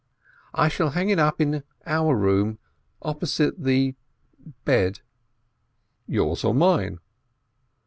I shall hang it up in our room, opposite the bed." "Yours or mine